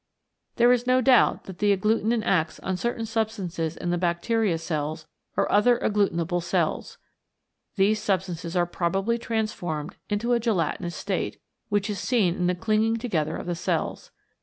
There is no doubt that the agglutinin acts on certain sub stances in the bacteria cells or other agglutinable cells. These substances are probably transformed into a gelatinous state, which is seen in the clinging together of the cells.